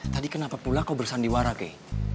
tadi kenapa pula kau bersandiwara kei